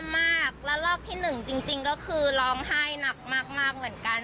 แย่มากแล้วรอบที่๑จริงก็คือร้องไห้หนักมากเหมือนกัน